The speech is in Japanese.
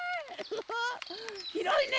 ひろいね！